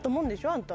あんた。